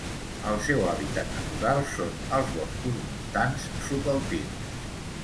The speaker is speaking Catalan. El seu hàbitat natural són els boscos montans subalpins.